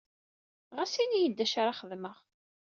Ɣas ini-iyi-d d acu ara xedmeɣ.